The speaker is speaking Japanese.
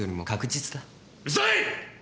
うるさい！